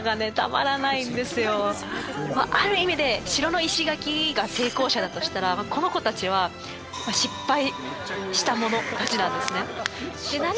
ある意味で城の石垣が成功者だとしたらこの子たちは失敗したものたちなんですね。